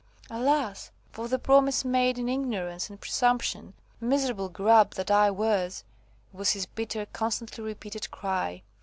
"Alas! for the promise made in ignorance and presumption, miserable Grub that I was," was his bitter, constantly repeated cry.